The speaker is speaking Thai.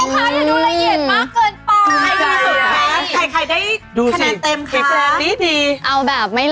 ระยีดนะครูทัล